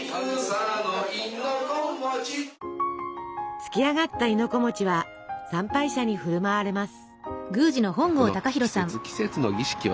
つきあがった亥の子は参拝者に振る舞われます。